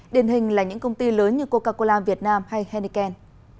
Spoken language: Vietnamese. điển hình là những công ty lớn như coca cola việt nam hay henneken